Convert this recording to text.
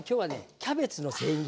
キャベツのせん切り。